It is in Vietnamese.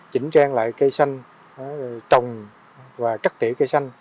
chỉnh trang lại cây xanh trồng và cắt tỉa cây xanh